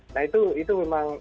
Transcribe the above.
nah itu memang